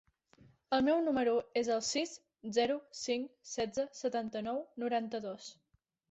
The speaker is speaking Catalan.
El meu número es el sis, zero, cinc, setze, setanta-nou, noranta-dos.